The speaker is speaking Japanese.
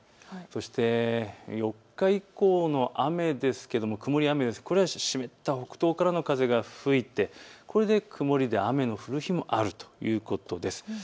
そして４日以降の雨ですが、湿った北東からの風が吹いて曇り、雨が降る日もあるということです。